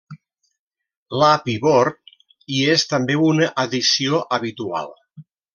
L'api bord hi és també una addició habitual.